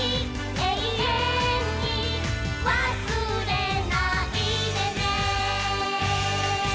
「永遠に忘れないでね」